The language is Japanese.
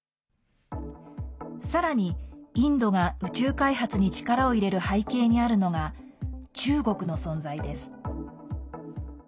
さらにインドが宇宙開発に力を入れる背景にあるのが中国の存在です。